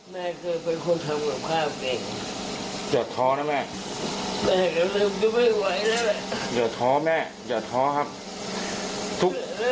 แม่เกิดเป็นคนทำกับภาพเองอย่าท้อนะแม่แม่กำลังจะไม่ไหวแล้ว